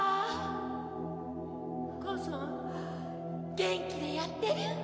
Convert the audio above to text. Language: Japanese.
元気でやってる？